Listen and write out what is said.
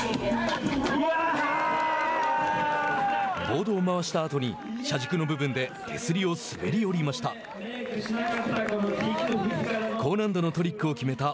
ボードを回したあとに車軸の部分で手すりを滑りおりました。